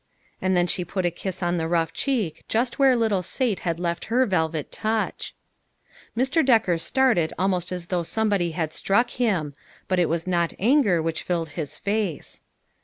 And then she put a kiss on the rough cheek, just where little Sate had left her velvet touch. Mr. Decker started almost as though some body had struck him. But it was not anger which filled his face.